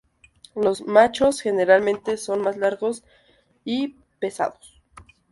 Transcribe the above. Los machos generalmente son más largos y pesados.